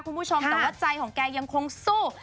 แต่ว่าใจของแกยังคงสู้